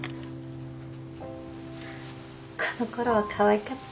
このころはかわいかった。